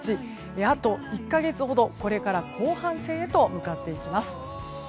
あと１か月ほど、これから後半戦へと向かっていきます。